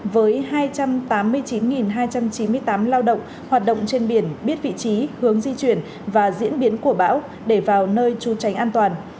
với hai trăm tám mươi chín hai trăm chín mươi tám lao động hoạt động trên biển biết vị trí hướng di chuyển và diễn biến của bão để vào nơi trú tránh an toàn